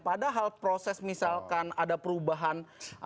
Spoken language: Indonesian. padahal proses misalkan ada perubahan